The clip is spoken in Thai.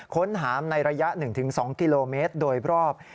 ค้นหาในระยะ๑๒กิโลเมตรโดยรอบ